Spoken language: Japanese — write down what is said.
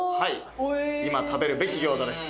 今食べるべき餃子です